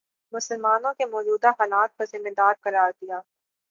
مسلمانوں کے موجودہ حالات کا ذمہ دار قرار دیا